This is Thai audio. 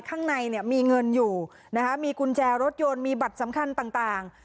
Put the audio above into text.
ข้างในเนี่ยมีเงินอยู่นะคะมีกุญแจรถยนต์มีบัตรสำคัญต่าง